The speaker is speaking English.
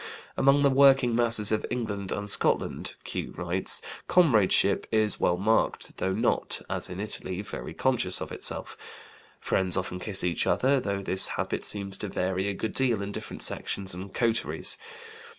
"Among the working masses of England and Scotland," Q. writes, "'comradeship' is well marked, though not (as in Italy) very conscious of itself. Friends often kiss each other, though this habit seems to vary a good deal in different sections and coteries.